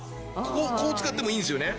こう使ってもいいんですよね？